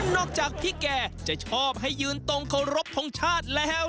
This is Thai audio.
จากพี่แกจะชอบให้ยืนตรงเคารพทงชาติแล้ว